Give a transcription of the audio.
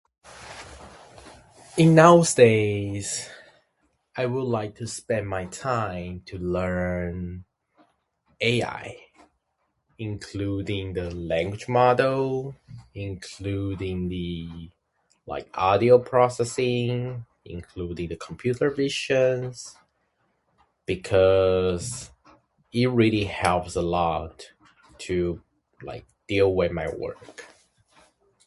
In those days, I would like to spend my time to learn AI. Including the language model, including the, like, audio processing, including the computer visions. Because it really helps a lot to, like, deal with my work.